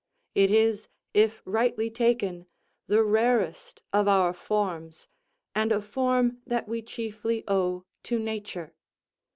It is, if rightly taken, the rarest of our forms, and a form that we chiefly owe to nature.